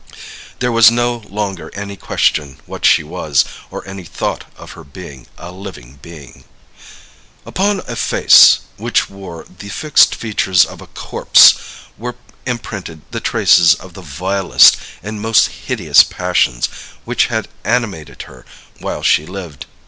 "There was no longer any question what she was, or any thought of her being a living being. "Upon a face which wore the fixed features of a corpse were imprinted the traces of the vilest and most hideous passions which had animated her while she lived.